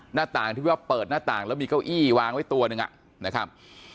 หน้าต่างที่ว่าเปิดหน้าต่างแล้วมีเก้าอี้วางไว้ตัวหนึ่งนะครับ